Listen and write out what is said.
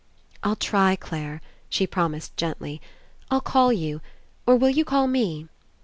"I'll try, Clare," she promised gently. "I'll call you — or will you call me?"